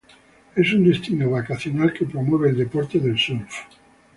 Es un destino vacacional que promueve el deporte del surf.